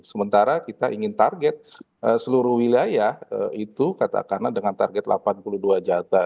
sementara kita ingin target seluruh wilayah itu katakanlah dengan target delapan puluh dua juta